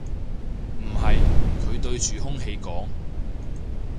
唔係，佢對住空氣講